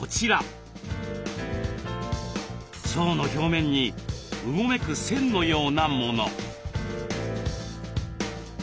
腸の表面にうごめく線のようなもの。